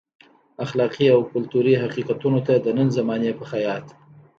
اخلاقي او کلتوري حقیقتونو ته د نن زمانې په خیاط.